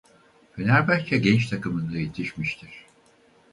Fenerbahçe genç takımında yetişmiştir.